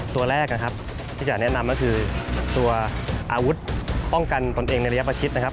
ตัวแรกนะครับที่จะแนะนำก็คือตัวอาวุธป้องกันตนเองในระยะประชิดนะครับ